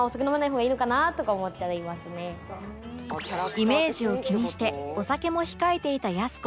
イメージを気にしてお酒も控えていたやす子